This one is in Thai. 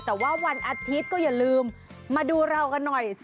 แต่ว่าวันอาทิตย์ก็อย่าลืมมาดูเรากันหน่อยสิ